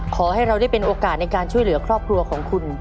ขอให้เราได้เป็นโอกาสในการช่วยเหลือครอบครัวของคุณ